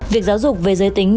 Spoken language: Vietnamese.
việc giáo dục về giới tính